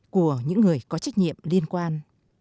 của những người có trách nhiệm liên quan